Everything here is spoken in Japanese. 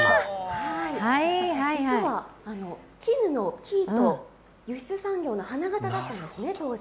実は絹の生糸輸出産業の花形だったんですね、当時。